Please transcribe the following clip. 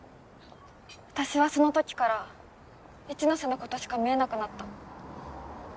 私はその時から一ノ瀬の事しか見えなくなった。